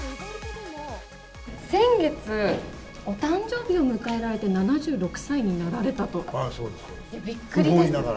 先月、お誕生日を迎えられて、７６歳になられたと。